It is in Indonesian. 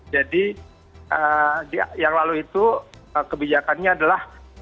jadi yang lalu itu kebijakannya adalah